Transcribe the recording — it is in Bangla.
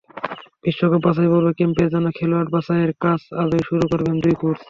বিশ্বকাপ বাছাইপর্বের ক্যাম্পের জন্য খেলোয়াড় বাছাইয়ের কাজ আজই শুরু করবেন দুই কোচ।